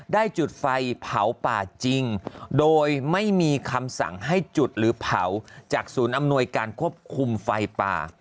จุดไฟเผาป่าจริงโดยไม่มีคำสั่งให้จุดหรือเผาจากศูนย์อำนวยการควบคุมไฟป่า